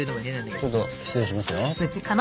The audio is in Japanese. ちょっと失礼しますよ。